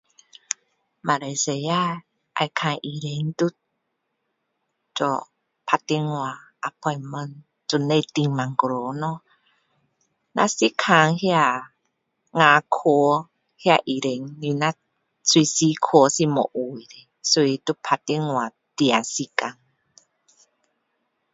马来西亚要看医生都...做...打电话 （appointment） 就不需要等那么久咯！哪是看那个牙科那个医生。你哪随时去是没位的所以必须打电话定时间.